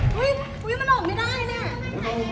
บ๊วยไว้มันออกไม่ได้